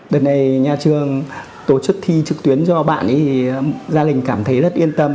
đợt này nhà trường tổ chức thi trực tuyến cho bạn thì gia đình cảm thấy rất yên tâm